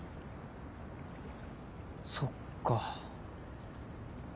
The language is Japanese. そっか。